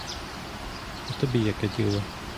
А тобі яке діло?